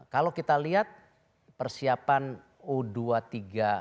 kalau kita lihat persiapan u dua puluh tiga